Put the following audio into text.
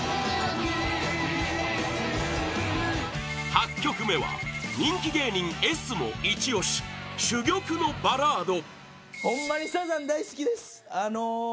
８曲目は人気芸人Ｓもイチ押し珠玉のバラード